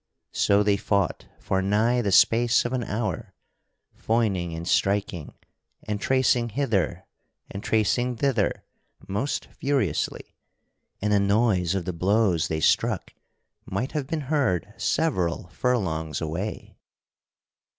So they fought for nigh the space of an hour, foining and striking, and tracing hither and tracing thither most furiously; and the noise of the blows they struck might have been heard several furlongs away.